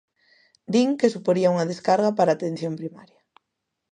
Din que suporía unha descarga para Atención Primaria.